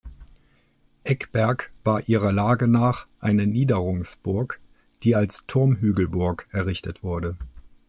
Ekberg war ihrer Lage nach eine Niederungsburg, die als Turmhügelburg errichtet wurde.